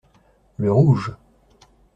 Le rouge.